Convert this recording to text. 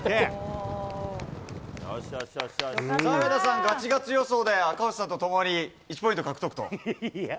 さあ、上田さん、がちがち予想で赤星さんとともに１ポイント獲得と。